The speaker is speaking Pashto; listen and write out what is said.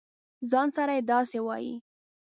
ځـان سره داسې وایې.